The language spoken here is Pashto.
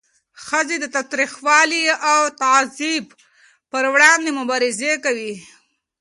ښځې د تاوتریخوالي او تعذیب پر وړاندې مبارزه کوي.